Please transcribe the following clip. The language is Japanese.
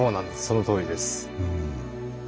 そのとおりです。